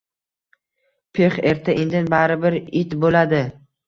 – Pix! Erta-indin baribir it bo‘ladi!